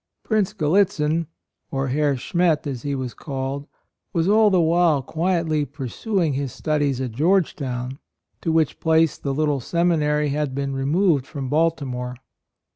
Prince Gallitzin ( or Herr Schmet, as he was called ) was all the while quietly pursuing his studies at Georgetown, to AND MOTHER. 67 which place the little seminary had been removed from Balti more.